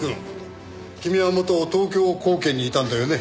君は元東京高検にいたんだよね？